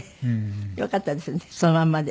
よかったですねそのまんまで。